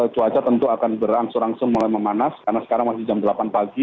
cuaca tentu akan berangsur angsur mulai memanas karena sekarang masih jam delapan pagi